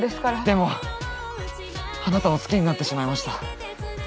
でもあなたを好きになってしまいました。